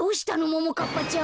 ももかっぱちゃん？